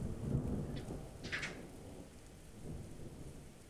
Tuto skutečnost si musíme jasně uvědomovat.